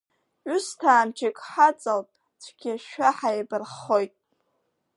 Ҩысҭаа мчык ҳаҵалт, цәгьашәа ҳаибарххоит.